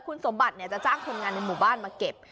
คุณสมบัติจะจ้างคนงานในหมู่บ้านมาเก็บ